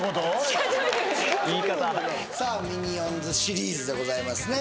さあ「ミニオンズ」シリーズでございますね